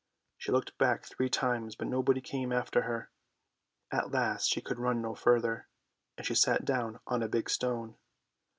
She looked back three times, but nobody came after her. At last she could run no further, and she sat down on a big stone.